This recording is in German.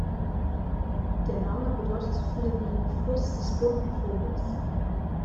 Der Name bedeutet so viel wie "Fluss des bunten Vogels".